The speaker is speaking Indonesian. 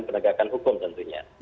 penegakan hukum tentunya